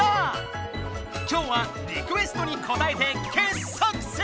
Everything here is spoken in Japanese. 今日はリクエストにこたえて傑作選！